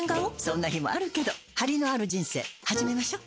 そんな日もあるけどハリのある人生始めましょ。